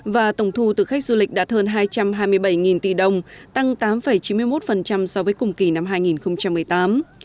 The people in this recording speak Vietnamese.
và tổng thu từ khách du lịch đạt hơn hai trăm hai mươi bảy tỷ đồng tăng tám chín mươi một so với cùng kỳ năm hai nghìn một mươi tám